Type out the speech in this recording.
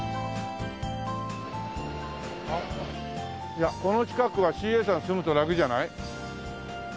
いやこの近くはＣＡさんが住むとラクじゃない？